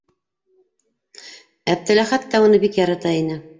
Әптеләхәт тә уны бик ярата ине.